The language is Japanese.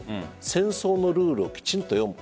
戦争のルールをきちんと読む。